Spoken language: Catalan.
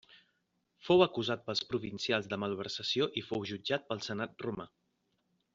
Fou acusat pels provincials de malversació i fou jutjat pel senat romà.